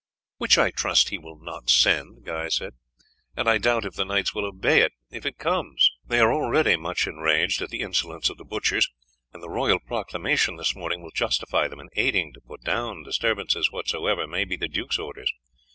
"Which I trust he will not send," Guy said; "and I doubt if the knights will obey it if it comes. They are already much enraged at the insolence of the butchers, and the royal proclamation this morning will justify them in aiding to put down disturbances whatsoever may be the duke's orders.